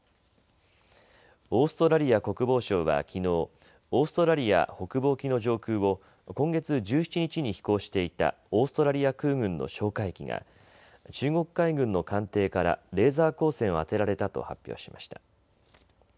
オーストラリア国防省はきのう、オーストラリア北部沖の上空を今月１７日に飛行していたオーストラリア空軍の哨戒機が中国海軍の艦艇からレーザー光線を当てられたと発表しました。